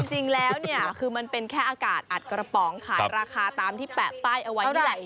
จริงแล้วเนี่ยคือมันเป็นแค่อากาศอัดกระป๋องขายราคาตามที่แปะป้ายเอาไว้นี่แหละ